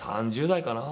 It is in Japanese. ３０代かな。